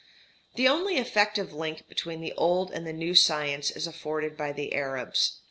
The only effective link between the old and the new science is afforded by the Arabs.